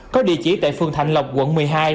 có địa chỉ tại phường thạnh lộc quận một mươi hai